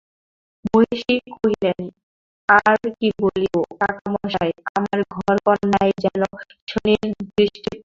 মহিষী কহিলেন, আর কী বলিব কাকামহাশয়, আমার ঘরকন্নায় যেন শনির দৃষ্টি পড়িয়াছে।